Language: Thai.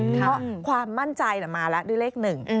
เพราะความมั่นใจมาแล้วด้วยเลขหนึ่ง